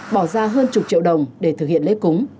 bỏ ra hơn chục triệu đồng để thực hiện lễ cúng